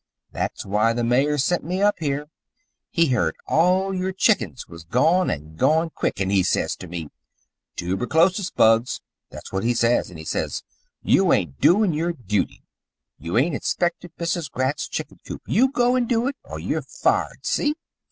That's why the Mayor sent me up here. He heard all your chickens was gone, and gone quick, and he says to me, 'Toober chlosis bugs!' That's what he says, and he says, 'You ain't doing your duty. You ain't inspected Mrs. Gratz's chicken coop. You go and do it, or you're fired, see?'